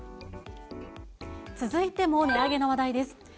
続いても、値上げの話題です。